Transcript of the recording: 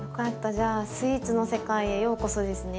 じゃあスイーツの世界へようこそですね。